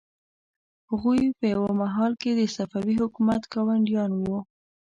هغوی په یوه مهال کې د صفوي حکومت ګاونډیان وو.